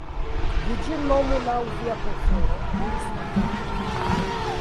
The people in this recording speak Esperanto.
"Vi ĝin nomu laŭ via prefero," diris la Kato.